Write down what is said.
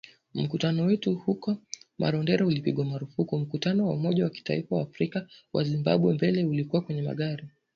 Mkutano wetu huko Marondera ulipigwa marufuku, mkutano wa Umoja wa Kitaifa wa Afrika wa Zimbabwe Mbele ulikuwa kwenye magari,